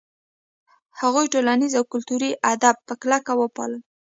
هغوی ټولنیز او کلتوري آداب په کلکه وپالـل.